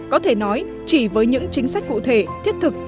có thể nói chỉ với những chính sách cụ thể thiết thực